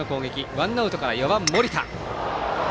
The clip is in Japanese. ワンアウトから４番、森田。